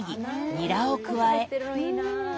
ニラを加え。